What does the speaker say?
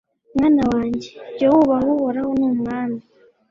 Mwana wanjye jya wubaha Uhoraho n’umwami